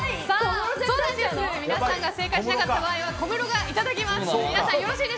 皆さんが正解しなかった場合小室がいただきます。